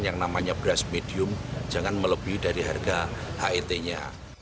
yang namanya beras medium jangan melebih dari harga het nya